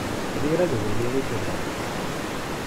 Riɣ ad waliɣ itran.